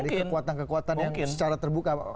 dari kekuatan kekuatan yang secara terbuka